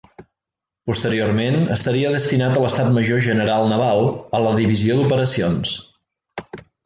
Posteriorment estaria destinat a l'Estat Major General Naval, a la Divisió d'Operacions.